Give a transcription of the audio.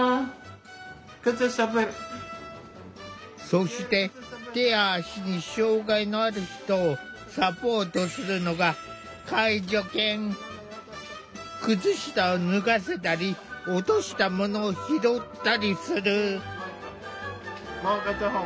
そして手や足に障害のある人をサポートするのが靴下を脱がせたり落としたものを拾ったりする。